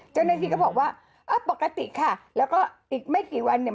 เจ้าหน้าที่ก็บอกว่าเออปกติค่ะแล้วก็อีกไม่กี่วันเนี่ย